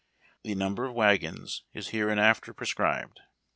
The number of wagons is hereinafter prescribed.